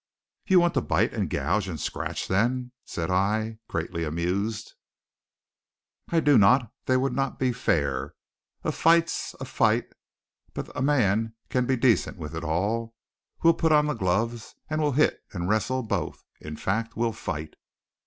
"You want to bite and gouge and scratch, then?" said I, greatly amused. "I do not; they would not be fair; a fight's a fight; but a man can be decent with it all. We'll put on the gloves, and we'll hit and wrestle both in fact, we'll fight."